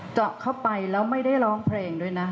เจาะเข้าไปแล้วไม่ได้ร้องเพลงด้วยนะ